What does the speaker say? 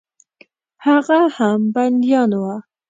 هغه هم بندیان وه.